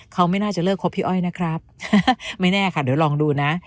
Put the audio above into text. เขาไม่น่าจะเลิกครบพี่อ้อยนะครับไม่แน่ค่ะเดี๋ยวลองดูนะ